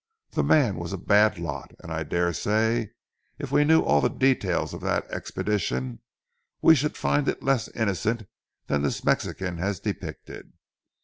"The man was a bad lot, and I daresay if we knew all the details of that expedition we should find it less innocent than this Mexican has depicted.